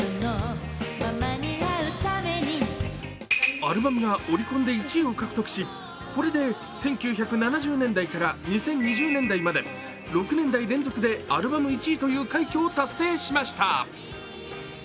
アルバムがオリコンで１位を獲得し、これで１９７０年代から２０２０年代まで６年代連続でアルバム１位という快挙を達成しました。